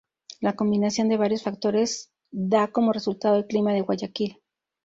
La combinación de varios factores da como resultado el clima de "Guayaquil".